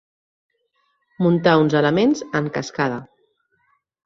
Muntar uns elements en cascada.